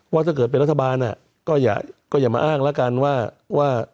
ว่าถ้าเกิดเป็นรัฐบาลก็อย่ามาอ้างแล้วกันว่า